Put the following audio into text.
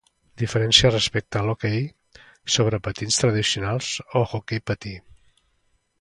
Diferències respecte a l'hoquei sobre patins tradicional o hoquei patí.